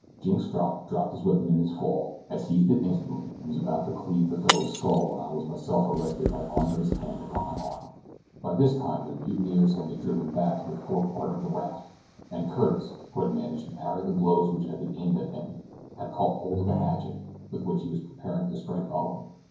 Jynxstrop dropped his weapon in his fall; I seized it instantly, and was about to cleave the fellow's skull, when I was myself arrested by Andre's hand upon my arm. By this time the mutineers had been driven back to the forepart of the raft, and Curtis, who had managed to parry the blows which had been aimed at him, had caught hold of a hatchet, with which he was preparing to strike Owen.